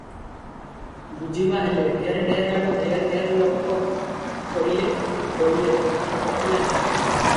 ବୁଝିବାହେଲେ, ଢେର ଢେର ଆଡୁ ଢେର ଢେର ଲୋକ ଅଇଲେ- ଗଲେ, କଥା ପଟିଲା ନାହିଁ ।